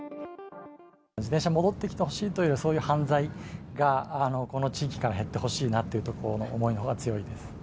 自転車戻ってきてほしいという、そういう犯罪がこの地域から減ってほしいなっていうところの思い